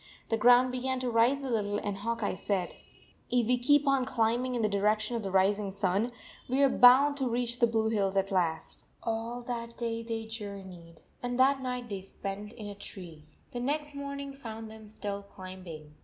The ground began to rise a little, and Hawk Eye said, " If we keep on climbing in the direction of the rising sun, we are bound to reach the blue hills at last." 96 : JT All that day they journeyed, and that night they spent in a tree. The next morn ing found them still climbing.